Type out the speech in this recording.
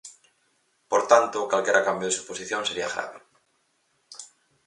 Por tanto, calquera cambio de suposición sería grave.